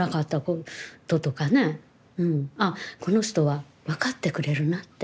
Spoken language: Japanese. あこの人は分かってくれるなって。